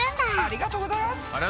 ありがとうございます！